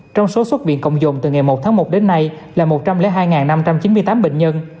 trong số xuất viện cộng dồn từ ngày một tháng một đến nay là một trăm linh hai năm trăm chín mươi tám bệnh nhân